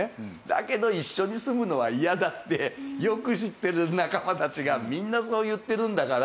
だけど一緒に住むのは嫌だってよく知ってる仲間たちがみんなそう言ってるんだから。